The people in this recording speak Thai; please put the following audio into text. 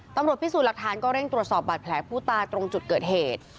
ตำรวจพิสูจน์หลักฐานก็เร่งตรวจสอบบาดแผลผู้ตายตรงจุดเกิดเหตุ